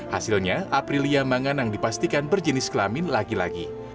hasilnya aprilia manganang dipastikan berjenis kelamin laki laki